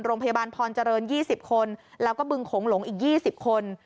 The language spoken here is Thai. โรงพยาบาลพรจรรย์ยี่สิบคนแล้วก็บึงโขงหลงอีกยี่สิบคน